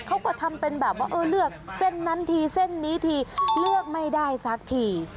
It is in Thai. เขาก็ทำเป็นแบบว่าเออเลือกเส้นนั้นทีเส้นนี้ทีเลือกไม่ได้สักที